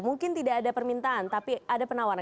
mungkin tidak ada permintaan tapi ada penawaran